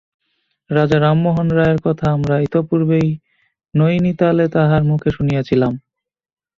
রাজা রামমোহন রায়ের কথা আমরা ইতঃপূর্বেই নৈনীতালে তাঁহার মুখে শুনিয়াছিলাম।